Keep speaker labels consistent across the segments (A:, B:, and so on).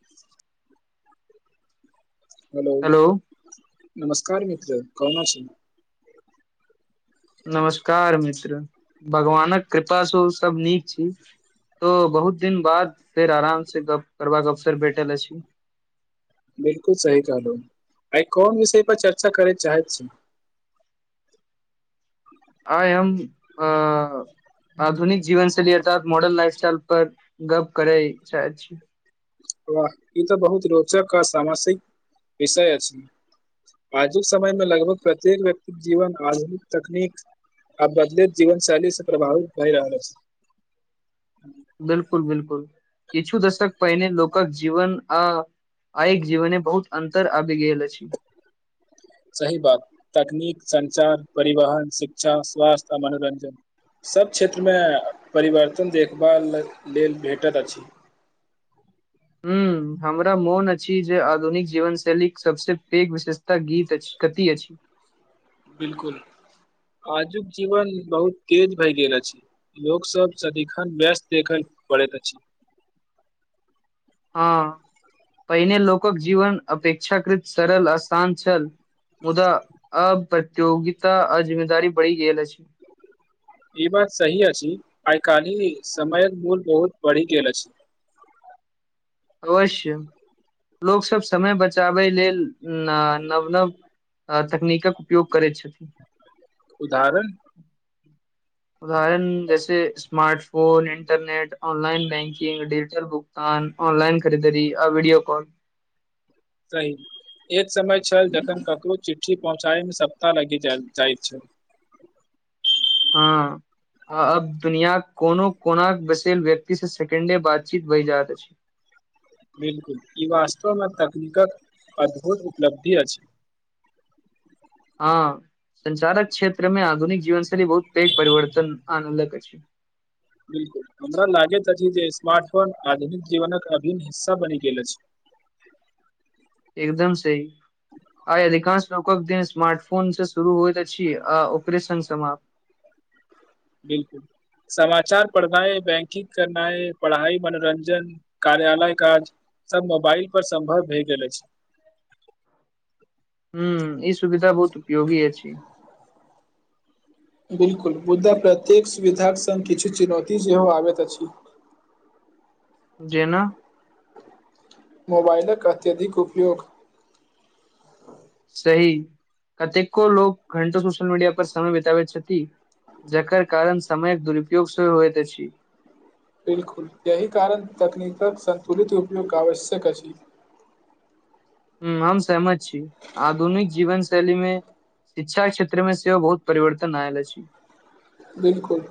A: [unintelligible]
B: Hello नमस्कार मित्र कोना छी
A: नमस्कार मित्र भगवानक कृपासँ से सब नीक छी तऽ बहुत दिन बाद फेर आराम से गप करबाक अवसर भेठल अछि
B: बिल्कुल सही कहलहूँ आइ कोन विषय पर चर्चा करैय चाहैत छी
A: आइ हम अ-आधुनिक जीवनशैली अर्थात मॉडर्न लाइफ स्टाइल पर गप करै चाहैत छी
B: वाह ई तऽ बहुत रोचक आ सामसिक विषय अछि आजुक समय मे लगभग प्रत्येक व्यक्तिक जीवन आधुनिक तकनीक आ बदलैत जीवन शैली से प्रभावित भए रहल अछि
A: बिल्कुल बिल्कुल किछु दशक पहिने लोकक जीवन आ आइक जीवने बहुत अन्तर आ
B: सही बात तकनीक सञ्चार परिवहन शिक्षा स्वास्थ्य आ मनोरञ्जन सभ क्षेत्रमे परिवर्तन देखभाल ल-लेल भेटैत अछि
A: हूँ हमरा मोन अछि जे आधुनिक जीवन शैलीक सभसँ पैघ विशेषता गीत अछि कथि अछि
B: बिल्कुल आजुक जीवन बहुत तेज भए गेल अछि लोकसभ सदिखन व्यस्त देखल पड़ैत अछि
A: हाँ पहिने लोकक जीवन अपेक्षाकृत सरल असान छल मुदा आब प्रतियोगिता आ जिम्मेदारी बढ़ी गेल अछि
B: ई बात सही अछि आइ काल्हि समयक मूल बहुत बढ़ि गेल अछि
A: अवश्य लोकसभ समय बचाबै लेल ना-नव नव तकनीकक उपयोग करैत छथिन
B: उदाहरण
A: उदाहरण जैसे smartphone internet online banking digital भुगतान ऑनलाइन खरीदरी आ वीडियो कॉल
B: सही एक समय छल जखन ककरो चिट्ठी पहुँचाबैमे सप्ताह लगि जाइत छल
A: हाँ आ-अब दुनियांक कोनो कोनाक बसेल व्यक्तिसँ सेकेंडे बातचीत भइ जाइत अछि
B: बिल्कुल ई वास्तवमे तकनीकक अद्भुत उपलब्धि अछि
A: हाँ संचारक क्षेत्रमे आधुनिक जीवन शैली बहुत पैघ परिवर्तन आनलक अछि
B: बिल्कुल हमरा लागैत अछि जे स्मार्ट फोन आधुनिक जीवनक अभिन्न हिस्सा बनि गेल अछि
A: एकदम सही आइ अधिकांश लोकक दिन स्मार्टफोन से शुरू होइत अछि आ ओकरे सङ्ग समाप्त
B: बिल्कुल समाचार पढ़नाइ बैंकिंग करनाइ पढ़ाई मनोरंजन कार्यालय काज सब मोबाइल पर सम्भव भए गेल अछि
A: हूँ ई सुविधा बहुत उपयोगी अछि
B: बिल्कुल मुदा प्रत्येक सुविधाक सङ्ग किछु चुनौती सेहो आबैत अछि
A: जेना
B: मोबाइलक अत्यधिक उपयोग
A: सही कतेको लोक घंटो सोशल मीडिया पर समय बिताबैत छथि जकर कारण समयक दुरूपयोग सेहो होइत अछि
B: बिल्कुल एहि कारण तकनीकक संतुलित उपयोग आवश्यक अछि
A: हूँ हम सहमत छी आधुनिक जीवन शैलीमे शिक्षा क्षेत्रमे सेहो बहुत परिवर्तन आएल अछि
B: बिल्कुल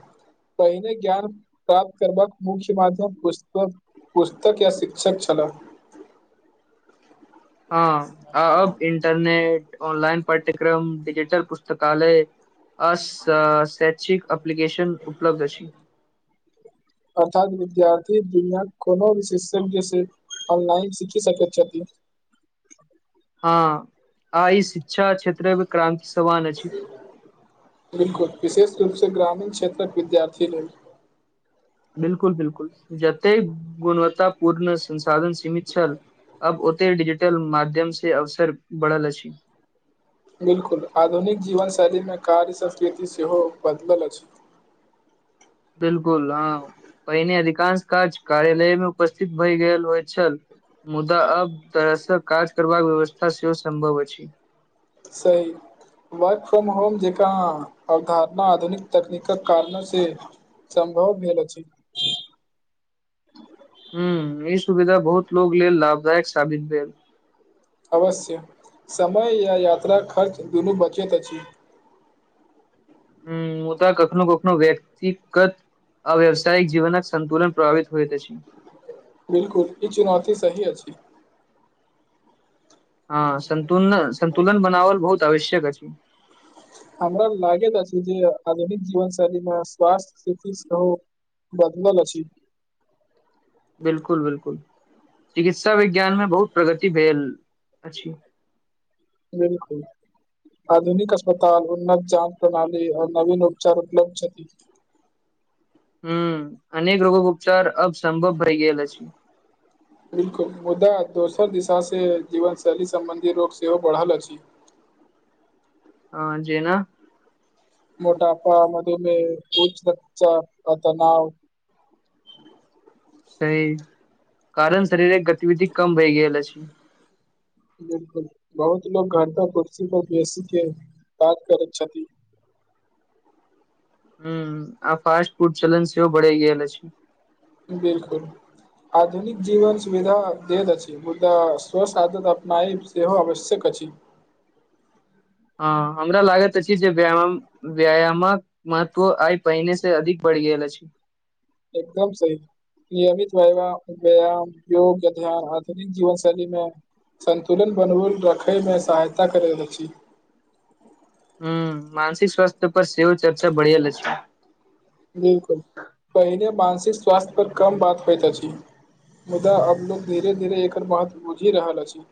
B: पहिने ज्ञान प्राप्त करबाक मुख्य माध्यम पुष्पक-पुस्तक या शिक्षक छलाह
A: हाँ आ-अब इंटरनेट ऑनलाइन पाठ्यक्रम डिजिटल पुस्तकालय अस-शैक्षिक अ- एप्लिकेशन उपलब्ध अछि
B: अर्थात विद्यार्थी दुनियाक कोनो भी सिस्टमके ऑनलाइन सीखि सकैत छथिन
A: हाँ आ ई शिक्षा क्षेत्रमे क्रान्ति
B: बिल्कुल विशेष रूप से ग्रामीण क्षेत्रक विद्यार्थी लेल
A: बिल्कुल बिल्कुल जतेक गुणवत्तापूर्ण संसाधन सीमित छल आब ओतेक डिजिटल माध्यमसे अवसर बढ़ल अछि
B: बिल्कुल आधुनिक जीवन शैलीमे कार्य संस्कृति सेहो बदलल अछि
A: बिल्कुल हाँ पहिने अधिकांश काज कार्यालय मे उपस्थित भय गेल होइत छल मुदा अब घरसँ काज करबाक व्यवस्था सेहो सम्भव अछि
B: सही वर्क फ्रॉम होम जकाँ अवधारणा आधुनिक तकनीकक कारण से सम्भव भेल अछि
A: हूँ ई सुविधा बहुत लोको लेल लाभदायक साबित भेल
B: अवश्य समय या यात्रा खर्च दुनू बचैत अछि
A: हूँ मुदा कखनो कखनो व्यक्तिगत आ व्यावसायिक जीवनक सन्तुलन प्रभावित होइत अछि
B: बिल्कुल ई चुनौती सही अछि
A: हाँ संतुलन सन्तुलन बनावल बहुत आवश्यक अछि
B: हमरा लागैत अछि जे आधुनिक जीवन शैलीमे स्वास्थ्य स्थिति सेहो बदलल अछि
A: बिल्कुल बिल्कुल चिकित्सा विज्ञानमे बहुत प्रगति भेल अछि
B: बिल्कुल आधुनिक अस्पताल उन्नत जाँच प्रणाली आओर नवीन उपचार उपलब्ध छथि
A: हूँ अनेक रोगोक उपचार अब सम्भव भइ गेल अछि
B: बिल्कुल मुदा दोसर दिशा से जीवन शैली सम्बंधी रोग सेहो बढ़ल अछि
A: हाँ जेना
B: मोटापा मधुमेह उच्च रक्तचाप आ तनाव
A: सही कारण शरीर गतिविधि कम भइ गेल अछि
B: बिल्कुल बहुत लोक घंटों कुर्सी कपर बेसीके काज करैत छथि
A: हूँ आ फास्ट फूड चलन सेहो बढ़ि गेल अछि
B: बिल्कुल आधुनिक जीवन सुविधा देत अछि मुदा स्वस्थ्य साधन अपनायिब सेहो आवश्यक अछि
A: हाँ हमरा लागैत अछि जे व्यायाम व्यायामक महत्व आइ पहिनेसँ अधिक बढ़ि गेल अछि
B: एकदम सही नियमित व्याया- व्यायाम योग ध्यान आधुनिक जीवन शैलीमे सन्तुलन बनबै रखैमे सहायता करैत अछि
A: हूँ मानसिक स्वास्थ्य पर सेहो चर्चा बढ़ल अछि
B: बिल्कुल पहिने मानसि- -क स्वास्थ्य पर कम बात होइत अछि मुदा अब लोग धीरे धीरे एकर महत्व बुझि रहल अछि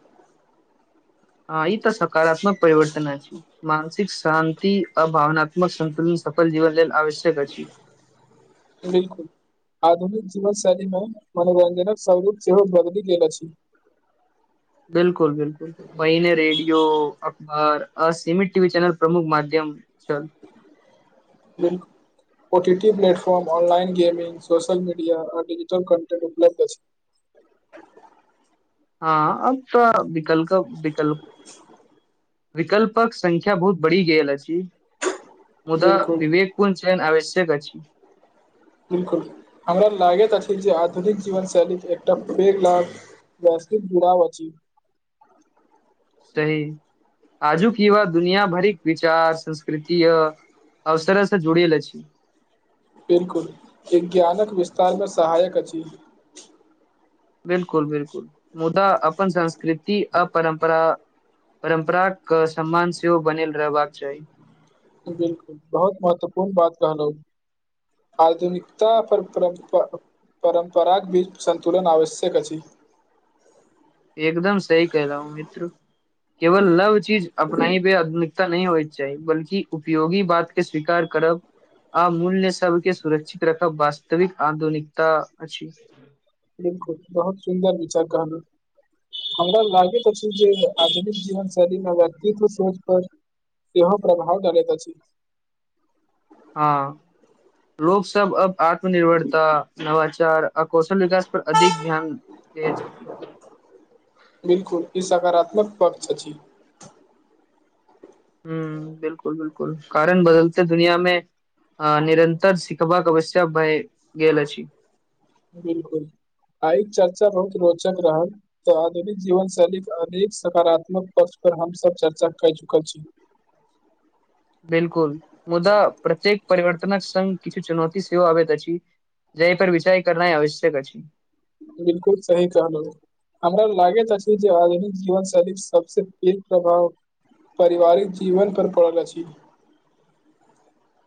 A: हाँ ई तऽ सकारात्मक परिवर्तन अछि मानसिक शान्ति आ भावनात्मक सन्तुलन सफल जीवन लेल आवश्यक अछि
B: बिल्कुल आधुनिक जीवन शैलीमे मनोरञजनक स्वरूप सेहो बदलि गेल अछि
A: बिल्कुल बिल्कुल बिल्कुल पहिने रेडियो आओर असीमित टीवी चैनल प्रमुख माध्यम छल।
B: OTT platform online gaming social media आ डजिटल कन्टेट उपलब्ध अईछ।
A: हँ अब [unintelligible] विकल्प विकल्। प विकल्पक संख्या बहुत बढ़ी गेल अछि। मुदा
B: बिल्कुल
A: विवेकपुन चैन आ- शेक अछि
B: बिल्कुल हमरा लागैत अछि जे आधुनिक जीवन शैलीक एकटा पेघ लाभ वैश्विक जुड़ाव अछि
A: सही आजुक युवा दुनिया भरिक विचार संस्कृति अ- अवसरसँ जुड़ल अछि
B: बिलकुल विज्ञानक विस्तारमे सहायक अछि।
A: बिलकुल बिलकुल मुदा अपन संस्कृति आ परम्परा परम्पराके सम्मान सेहो बनल रहबाक चाही।
B: बिलकुल बहुत महत्वपूर्ण बात कहलहु आधुनिकता पर परम परम्पराक भी संन्तुलन आवश्यक अछि।
A: एकदम सही कहलौ [unintelligible] मित्र केवल लव चीज अपनायी पे ता नही होयके चाही बल्कि उपयोगी बात के स्वीकार करब आ मूल्य सबके सुरक्षित रखब वास्तविक आधुनिकता अछि।
B: बिलकुल बहुत सुन्दर विचार कहलहु हमरा लागैत अछि जे आधुनिक जीवन शैली मे व्यक्तित्व सोच पर सेहो प्रभाव डालैत अछि।
A: हँ लोग सब अब। आत्मनिर्भरता। नवाचार। आ कौशल विकास पर अधिक ध्यान। दीये छ
B: बिलकुल ई सकारात्मक पक्ष अछि।
A: ह बिलकुल बिलकुल कारण बदलते दुनियामे निरन्तर सिखबाक अवश्या भए गेल अछि।
B: बिलकुल आइ चर्चा बहुत रोचक रहल तऽ आधुनिक जीवन शैलीक के अनेक सकारात्मक पक्ष पर हमसभ चर्चा कर चुकल छी।
A: बिलकुल। मुदा प्रत्येक। परिवर्तनक संग किछु चुनौती सेहो आबैत अछि जहि पर विचार करनाइ आवश्यक अछि।
B: बिलकुल सही कहलौ हमरा लागैत अछि जे आधुनिक जीवन शैलीक सबस पैघ प्रभाव पारिवारिक जीवन पर पड़ल अछि।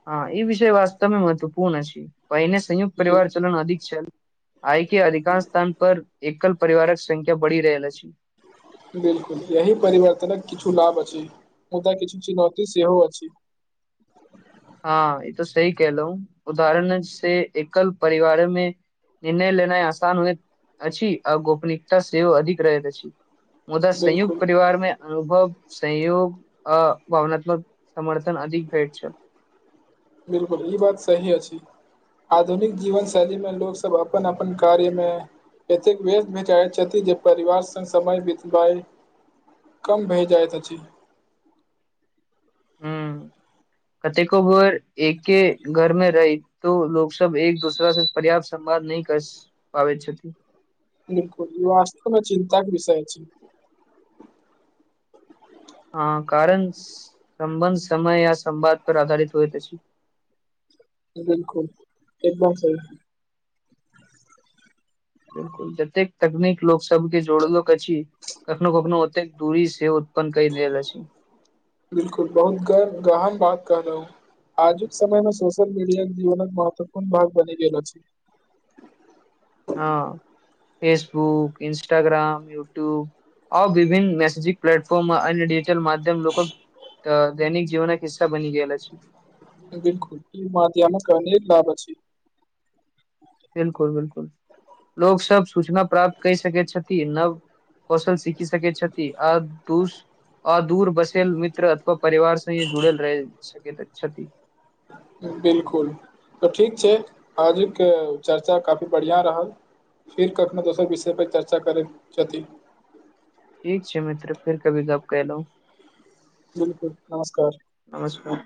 A: हँ ई विषय वास्तव मे महत्वपूर्ण अईछ। पहिने संयुक्त परिवार चलन अधिक छैल आय के अधिकांश स्थान पर एकल्प। परिवारक संख्य बढ़ि रहल अछि।
B: बिलकुल एहिह परिवर्तनक किछु लाभ अछि मुदा किछु चुनौती सेहो अछि।
A: हँ ई तो सही कलहु उदाहरण से एकल परिवार मे निर्णय लेनाइ आसान होइत अछि आ गोपनीयता सेहो अधिक रहैत अछि। मुदा संयुक्त
B: बिलकुल
A: परिवार मे अनुभव। संयोग अ भावनात्मक समर्थन अधिक भेट छै।
B: बिलकुल ई बात सही अछि आधुनिक जीवन शैलीमे लोकसभ अपन अपन कार्यमे एतेक व्यस्त भे चाहैत छथि जे परिवार सङ्ग समय बितबई कम भए जाइत अछि।
A: ह कतेको बेर एके घर मे रही तो लोक सब एक दोसरा से पर्याप्त संवाद नहि कर पाबै छथि।
B: बिलकुल ई वस्तमे चिन्ताक विषय छै।
A: हँ कारण संबन समय। [unintelligible] संवाद पर आधारित होइत अछि।
B: बिलकुल एकदम सही।
A: बिल्कुल जतेक तकनीक लोक सबके जोड़लक अछि कखनो कखनो ओतेक दूरी सेहो
B: बिल्कुल बहुत गर्व गाह- बात कहलहूँ आजुक समयमे सोशियल मीडिया जीवन महत्वपूर्ण भाग बनि गेल अछि
A: हाँ फेसबुक इन्स्टाग्राम यूट्यूब आ विभिन्न मैसेजिंग प्लेटफोर्म अन्य डजिटल माध्यम लोक दैनिक जीवनक हिस्सा बनि गेल अछि
B: बिलकुल। [unintelligible] एकर अनेक लाभ अछि।
A: बिलकुल बिलकुल लोक सब सूचना प्राप्त कै सकै छथि नव कौशल सीखि सकै छथि आ दू आदूर बसेल मित्र अथवा। परिवार सही जुड़ल रहै छै छथि
B: बिल्कुल तऽ ठीक छै आजुके चर्चा काफी बढ़ियाँ रहल फिर कखनो दोसर विषय पर चर्चा करैत छथि
A: ठीक छै मित्र फेर कभी गप्प केलहुँ
B: बिल्कुल नमस्कार
A: नमस्कार